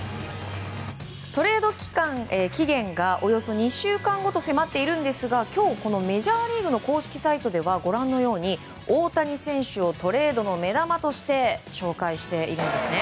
トレード期限がおよそ２週間後と迫っているんですが今日、メジャーリーグの公式サイトではご覧のように大谷選手をトレードの目玉として紹介しているんですね。